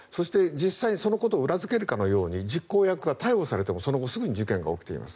そのことを実際に裏付けるかのように実行役が逮捕されてもその後すぐに事件が起きています。